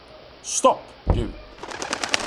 Stopp! Du